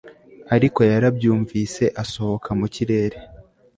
ariko yarabyumvise, asohoka mu kirere